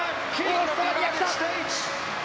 オーストラリア、来た！